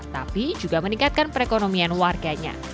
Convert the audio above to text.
tapi juga meningkatkan perekonomian warganya